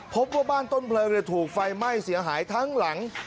พบว่าบ้านต้นเพลิงถูกไฟไหม้เสียหายทั้งหลัง